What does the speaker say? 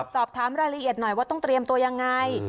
สอบถามรายละเอียดหน่อยว่าต้องเตรียมตัวยังไง